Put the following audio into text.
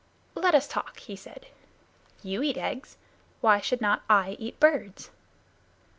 "Let us talk," he said. "You eat eggs. Why should not I eat birds?"